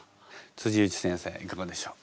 内先生いかがでしょう？